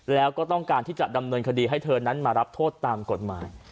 แล้วก็ต้องการที่จะดำเนินคดีให้เธอนั้นมารับโทษตามกฎหมาย